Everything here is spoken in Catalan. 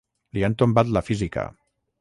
Li han tombat la física.